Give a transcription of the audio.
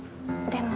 でも？